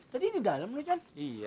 tadi di dalam kan